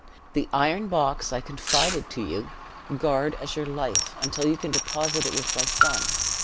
The iron box I confided to you, guard as your life, until you can deposit it with my son.